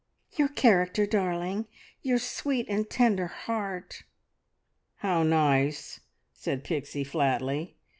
"Your character, darling. Your sweet and tender heart!" "How nice," said Pixie flatly.